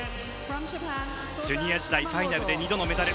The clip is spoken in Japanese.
ジュニア時代ファイナルで２度のメダル。